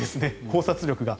考察力が。